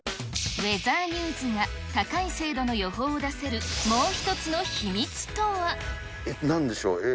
ウェザーニューズが高い精度の予想を出せる、もう一つの秘密なんでしょう。